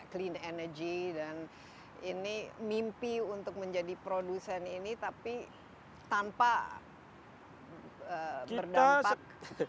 clean energy dan ini mimpi untuk menjadi produsen ini tapi tanpa berdampak